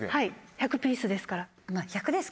１００ピースですから。